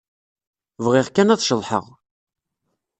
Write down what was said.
Bɣiɣ kan ad ceḍḥeɣ.